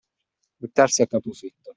Buttarsi a capo fitto.